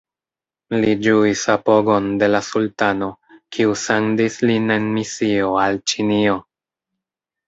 Li ĝuis apogon de la sultano, kiu sendis lin en misio al Ĉinio.